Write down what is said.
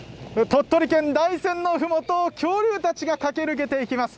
鳥取県大山のふもと、恐竜たちが駆け抜けていきます。